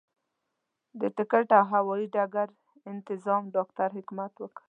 د ټکټ او هوايي ډګر انتظام ډاکټر حکمت وکړ.